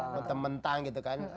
mentang mentang gitu kan